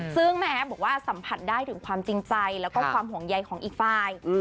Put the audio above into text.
ซึ่งแม่แอฟบอกว่าสัมผัสได้ถึงความจริงใจแล้วก็ความห่วงใยของอีกฝ่าย